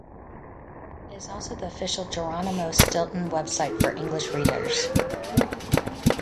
It is also the official Geronimo Stilton website for English readers.